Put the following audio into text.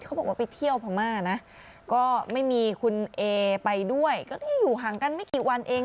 เขาบอกว่าไปเที่ยวพม่านะก็ไม่มีคุณเอไปด้วยก็ที่อยู่ห่างกันไม่กี่วันเอง